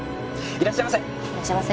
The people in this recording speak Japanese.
いらっしゃいませ。